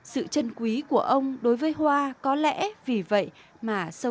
sự chân quý của ông đối với hoa có lẽ vì vậy mà sâu sắc hơn